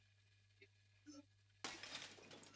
wasikilizaji wanahitaji matendo mazuri kutoka kwa mtangazaji